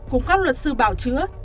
cùng các luật sư bảo chứa